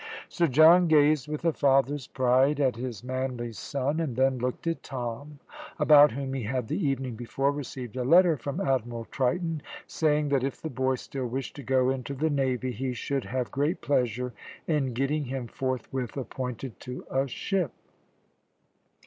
Sir John gazed with a father's pride at his manly son, and then looked at Tom, about whom he had the evening before received a letter from Admiral Triton, saying that if the boy still wished to go into the Navy, he should have great pleasure in getting him forthwith appointed to a ship.